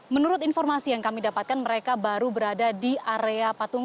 menurut informasi yang kami dapatkan mereka baru berada di area patung